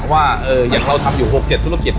ว่าอย่างเราทำอยู่๖๗ธุรกิจ